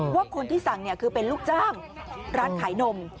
ว่าคนที่สั่งคือเป็นลูกจ้างร้านขายนม